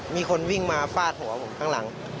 มีคนวิ่งมาฟาดหัวผมข้างหลัง